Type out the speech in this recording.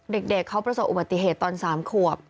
เด็กเขาประสบอุบัติเหตุตอน๓ขวบ